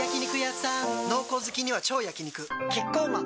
濃厚好きには超焼肉キッコーマン